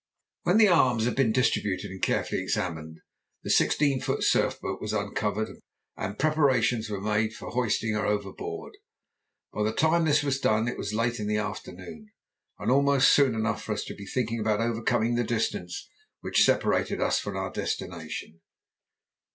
When the arms had been distributed and carefully examined, the sixteen foot surf boat was uncovered and preparations made for hoisting her overboard. By the time this was done it was late in the afternoon, and almost soon enough for us to be thinking about overcoming the distance which separated us from our destination.